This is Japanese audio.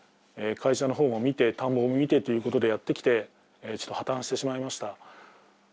会社の方も見て田んぼも見てということでやってきてちょっと破綻してしまいました。